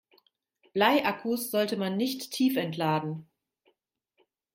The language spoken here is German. Bleiakkus sollte man nicht tiefentladen.